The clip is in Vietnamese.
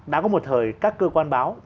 đã có một thời các cơ quan báo